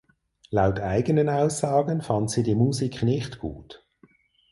Laut eigenen Aussagen fand sie die Musik nicht gut.